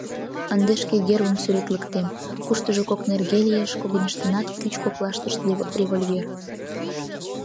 Ынде шке гербым сӱретлыктем, куштыжо кок нерге лиеш, когыньыштынат кӱч коклаштышт — револьвер!